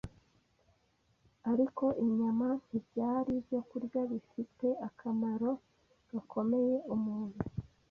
Ariko inyama ntibyari ibyokurya bifitiye akamaro gakomeye umuntu.